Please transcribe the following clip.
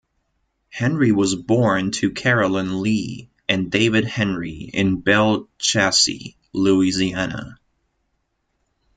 Henry was born to Carolyn Lee and David Henry in Belle Chasse, Louisiana.